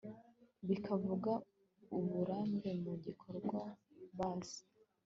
bikavuga uburambe mu bikorwa bisa